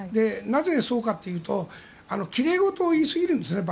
なぜ、そうかというときれいごとを言いすぎるんです